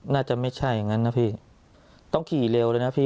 น่าจะไม่ใช่อย่างนั้นนะพี่ต้องขี่เร็วเลยนะพี่